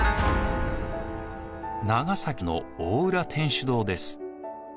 長崎の大浦天主堂です。